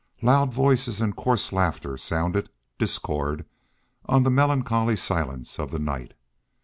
Loud voices and coarse laughter sounded discord on the melancholy silence of the night.